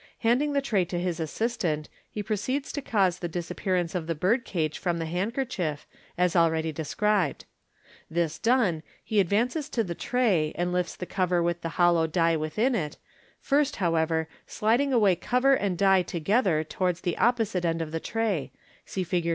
Handing the tray to his assistant, he proceeds to cause the disappearance of the birdcage from the handkerchief, as ahead) described. This done, he advances to the tray, and lifts the cover with the hollow die within it, first, however, sliding away cover and die together towards the opposite end of the tray (see Fig.